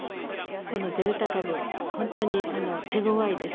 このデルタ株、本当に手ごわいです。